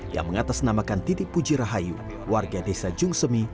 yang mengatasnamakan titik puji rahayu warga desa jungsemi